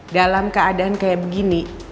dalam keadaan kayak begini